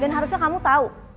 dan harusnya kamu tau